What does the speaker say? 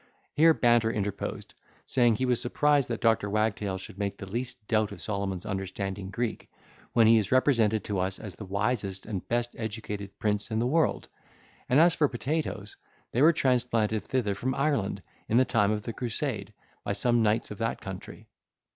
Here Banter interposed, saying, he was surprised that Dr. Wagtail should make the least doubt of Solomon's understanding Greek, when he is represented to us as the wisest and best educated prince in the world; and as for potatoes, they were transplanted thither from Ireland, in the time of the Crusade, by some knights of that country.